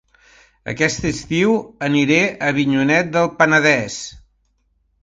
Aquest estiu aniré a Avinyonet del Penedès